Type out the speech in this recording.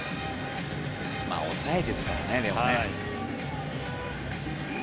抑えですからね、でもね。